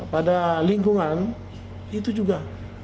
pada lingkungan itu juga